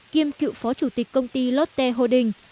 kiêm cựu phó chủ tịch công ty lotte holding